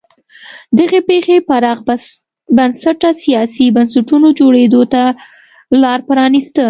دغې پېښې پراخ بنسټه سیاسي بنسټونو جوړېدو ته لار پرانیسته.